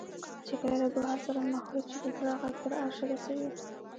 چې کله له دعا سره مخلوط شي د زړه غږ تر عرشه رسوي.